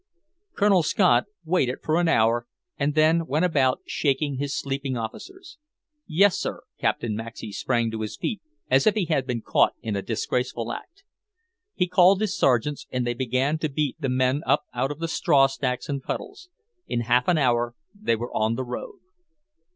Colonel Scott waited for an hour, and then went about, shaking his sleeping officers. "Yes, sir." Captain Maxey sprang to his feet as if he had been caught in a disgraceful act. He called his sergeants, and they began to beat the men up out of the strawstacks and puddles. In half an hour they were on the road.